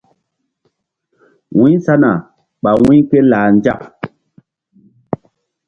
Wu̧y sana ɓa wu̧y ké lah nzak.